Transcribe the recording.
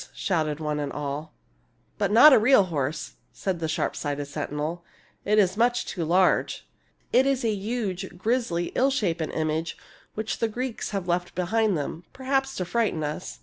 " shouted one and all. " But not a real horse," said the sharp sighted sentinel —" it is much too large. It is a huge, grizzly, ill shapen image which the Greeks have left behind them, perhaps to frighten us.